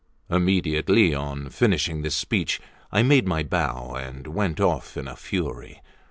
Immediately on finishing this speech, I made my bow, and went off in a fury.